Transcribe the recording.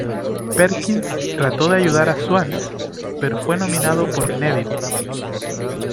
Perkins trató de ayudar a Swann, pero fue dominado por Neville.